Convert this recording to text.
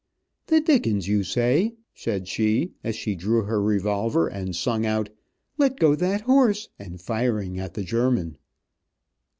"The dickens you say," said she as she drew her revolver, and sung out, "let go that horse," and firing at the German.